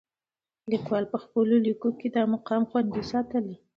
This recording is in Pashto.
لیکوال په خپلو لیکنو کې دا مقام خوندي ساتلی.